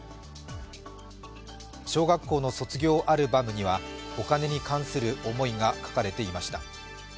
小学校の卒業アルバムにはお金に関する思いが書かれていました。